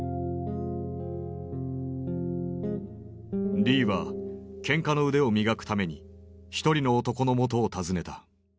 リーはけんかの腕を磨くために一人の男の元を訪ねた。